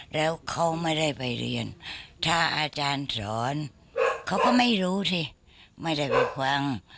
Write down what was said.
แล้วเขาไม่ได้ไปเรียนถ้าอาจารย์สอนเขาก็ไม่รู้สิไม่ได้ไปฟัง